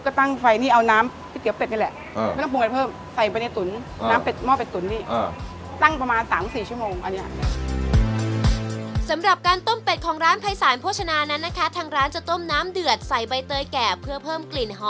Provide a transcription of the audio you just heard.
ก็ตั้งไฟนี่เอาน้ำเพียบเกลียวเป็ดนั่นแหละเออไม่ต้องปรุงอะไรเพิ่ม